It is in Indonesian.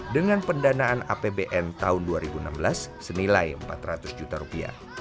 dengan pendanaan apbn tahun dua ribu enam belas senilai empat ratus juta rupiah